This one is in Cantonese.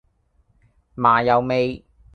麻油味